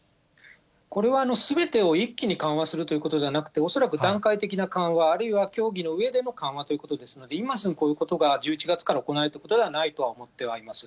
これは、すべてを一気に緩和するということではなくて、恐らく段階的な緩和、あるいは協議のうえでの緩和ということですので、今すぐこういうことが１１月から行われるということではないとは思ってはいます。